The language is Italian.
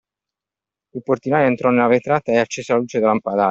Il portinaio entrò dalla vetrata e accese la luce del lampadario.